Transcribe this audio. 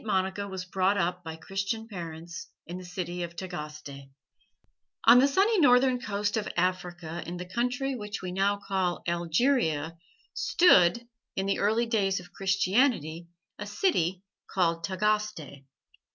MONICA WAS BROUGHT UP BY CHRISTIAN PARENTS IN THE CITY OF TAGASTE On the sunny northern coast of Africa in the country which we now call Algeria stood, in the early days of Christianity, a city called Tagaste.